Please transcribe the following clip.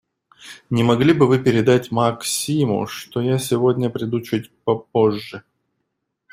Не могли бы Вы передать Максиму, что я сегодня приду чуть попозже?